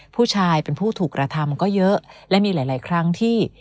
ผู้ชายเป็นผู้ถูกกระทำก็เยอะและมีหลายครั้งที่